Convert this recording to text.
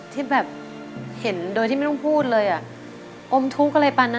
ที่แบบเห็นโดยที่ไม่ต้องพูดเลยอะ